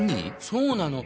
そうなの。